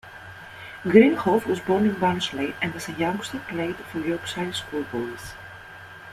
Greenhoff was born in Barnsley, and as a youngster played for Yorkshire Schoolboys.